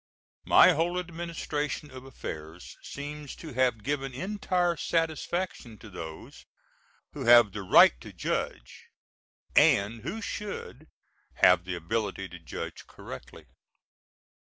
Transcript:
My whole administration of affairs seems to have given entire satisfaction to those who have the right to judge, and who should have the ability to judge correctly.